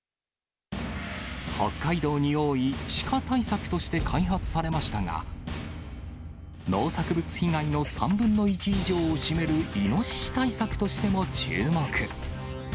北海道に多いシカ対策として開発されましたが、農作物被害の３分の１以上を占めるイノシシ対策としても注目。